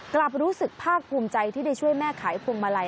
รู้สึกภาคภูมิใจที่ได้ช่วยแม่ขายพวงมาลัย